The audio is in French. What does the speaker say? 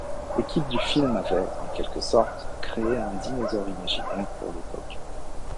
L'équipe du film avait, en quelque sorte, créé un dinosaure imaginaire pour l'époque.